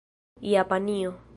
japanio